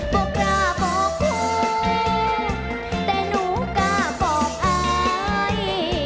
บอกราบบอกคุณแต่หนูกล้าบอกอาย